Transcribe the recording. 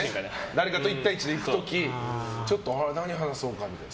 誰かと１対１で行く時ちょっと何話そうかみたいな。